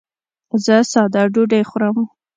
زه ساده ډوډۍ خورم.